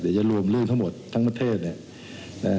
จะรวมเรื่องทั้งหมดทั้งประเทศเนี่ย